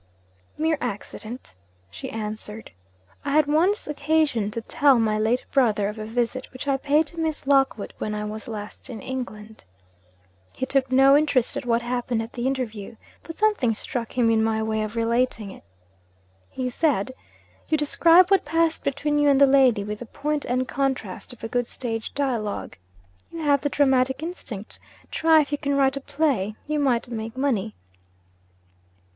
'Mere accident,' she answered. 'I had once occasion to tell my late brother of a visit which I paid to Miss Lockwood, when I was last in England. He took no interest at what happened at the interview, but something struck him in my way of relating it. He said, "You describe what passed between you and the lady with the point and contrast of good stage dialogue. You have the dramatic instinct try if you can write a play. You might make money."